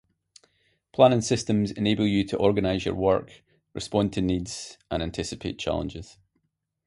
Planning systems enable you to organize your work, respond to needs and anticipate challenges.